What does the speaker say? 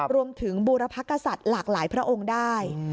บูรพกษัตริย์หลากหลายพระองค์ได้